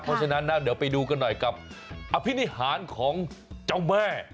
เพราะฉะนั้นนะเดี๋ยวไปดูกันหน่อยกับอภินิหารของเจ้าแม่